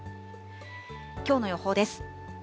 きょうの予報です。